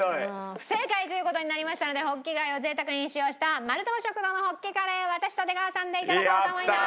不正解という事になりましたのでホッキ貝を贅沢に使用したマルトマ食堂のホッキカレーは私と出川さんで頂こうと思います！